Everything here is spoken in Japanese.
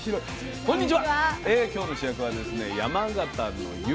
こんにちは。